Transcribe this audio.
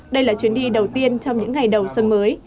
đây là chuyến đi đầu tiên trong những ngày đầu xuân mới